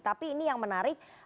tapi ini yang menarik